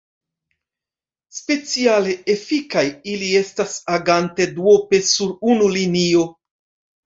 Speciale efikaj ili estas agante duope sur unu linio.